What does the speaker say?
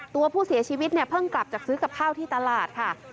ตัวผู้เสียชีวิตเนี่ยเพิ่งกลับจากซื้อกับข้าวที่ตลาดค่ะ